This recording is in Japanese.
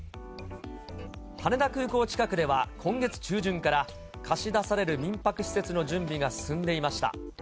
羽田空港近くでは、今月中旬から貸し出される民泊施設の準備が進んでいました。